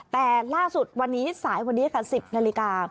แต่ล่าสุดวันนี้สายวันนี้ค่ะ๑๐นาฬิกา